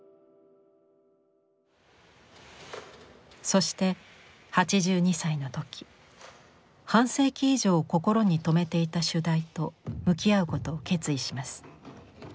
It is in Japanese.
そして８２歳の時半世紀以上心に留めていた主題と向き合うことを決意します。